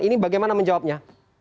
ini bagaimana menjawabnya